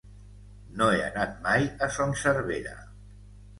No he anat mai a Son Servera.